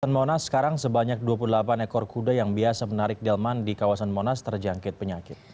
di monas sekarang sebanyak dua puluh delapan ekor kuda yang biasa menarik delman di kawasan monas terjangkit penyakit